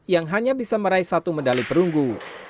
yang hanya bisa meraih satu medali perunggu